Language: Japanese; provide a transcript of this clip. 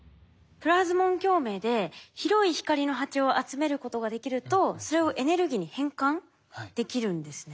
プラズモン共鳴で広い光の波長を集めることができるとそれをエネルギーに変換できるんですね。